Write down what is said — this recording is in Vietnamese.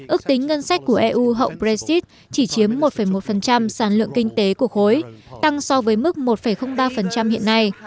ước tính ngân sách của eu hậu brexit chỉ chiếm một một sản lượng kinh tế của khối tăng so với mức một ba hiện nay